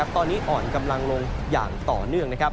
ตอนนี้อ่อนกำลังลงอย่างต่อเนื่องนะครับ